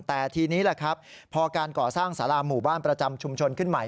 แต่ทีนี้แหละครับพอการก่อสร้างสาราหมู่บ้านประจำชุมชนขึ้นใหม่